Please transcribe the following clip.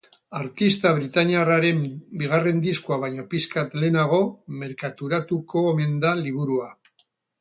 Artista britainiarraren bigarren diskoa baino pixkat lehenago merkaturatuko omen da liburua.